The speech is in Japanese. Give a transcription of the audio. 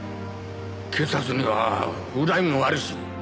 警察には恨みもあるし。